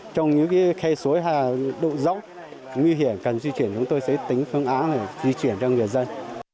trong những cái khay suối hay là độ dốc nguy hiểm cần di chuyển chúng tôi sẽ tính phương án để di chuyển cho người dân